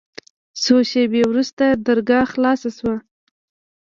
څو شېبې وروسته درګاه خلاصه سوه.